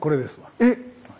えっ⁉